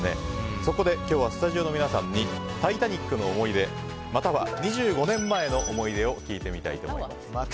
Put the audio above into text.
そこで、今日はスタジオの皆さんに「タイタニック」の思い出または２５年前の思い出を聞いてみたいと思います。